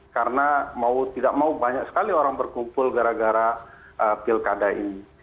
karena mau tidak mau banyak sekali orang berkumpul gara gara pilkada ini